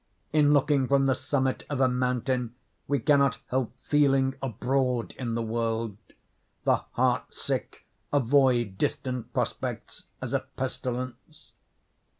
In looking from the summit of a mountain we cannot help feeling abroad in the world. The heart sick avoid distant prospects as a pestilence."